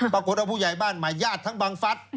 ปรากฏว่าผู้ใหญ่บ้านใหม่ญาติทั้งบังฟัฐ